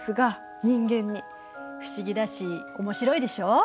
不思議だし面白いでしょう。